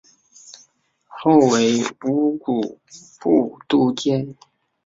后为乌古部都监。